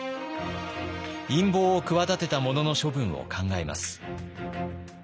陰謀を企てた者の処分を考えます。